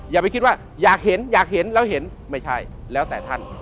อย่าไปคิดว่าอยากเห็นอยากเห็นแล้วเห็นไม่ใช่แล้วแต่ท่าน